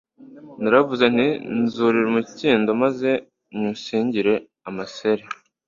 naravuze nti nzurira umukindo, maze nywusingire amaseri